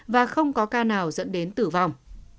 và không có ca nào dẫn đến tử vong